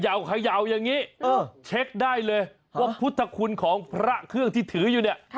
เขย่าอย่างนี้เช็คได้เลยว่าพุทธคุณของพระเครื่องที่ถืออยู่เนี่ย